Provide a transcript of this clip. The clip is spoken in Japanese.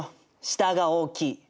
下が大きい。